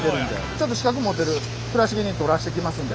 ちょっと資格持ってる蔵重に撮らせてきますんで。